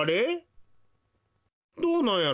どうなんやろ？